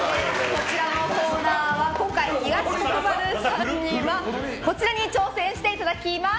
こちらのコーナーは今回、東国原さんにはこちらに挑戦していただきます